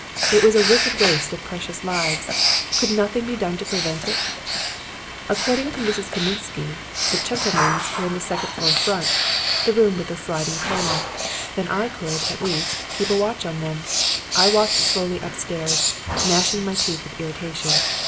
It was a wicked waste of precious lives. Could nothing be done to prevent it? "According to Mrs. Kosminsky, the 'chentlemens' were in the second floor front the room with the sliding panel. Then I could, at least, keep a watch on them. I walked slowly upstairs gnashing my teeth with irritation.